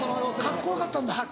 カッコ良かったんだ。